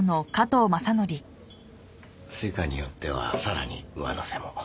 成果によってはさらに上乗せも。